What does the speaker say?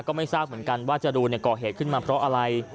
ก็ไม่ทราบเหมือนกันว่าจรูนก่อเหตุขึ้นมาเพราะอะไร